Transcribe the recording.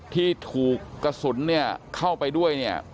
ที่ถูกกระสุนเนี่ยเข้าไปด้วยเนี่ย